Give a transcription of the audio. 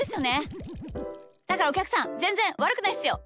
だからおきゃくさんぜんぜんわるくないっすよ！